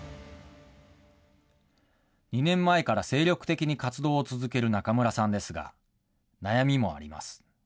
２年前から精力的に活動を続ける中村さんですが、悩みもあります。